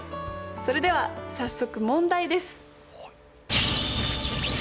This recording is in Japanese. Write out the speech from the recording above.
それでは早速問題です。